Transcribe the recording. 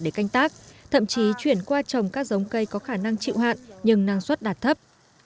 để canh tác thậm chí chuyển qua trồng các giống cây có khả năng chịu hạn nhưng năng suất đạt thấp